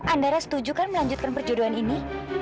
andara setuju kan melanjutkan perjodohan ini